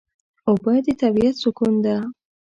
اوبه د طبیعت سکون ده.